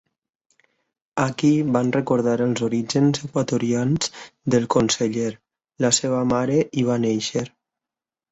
Aquí van recordar els orígens equatorians del conseller: la seva mare hi va néixer.